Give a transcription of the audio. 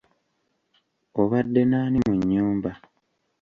Obadde n’ani mu nnyumba?